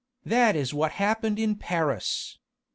That is what happened in Paris!